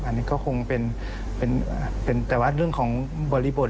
อันนี้ก็คงเป็นแต่ว่าเรื่องของบริบท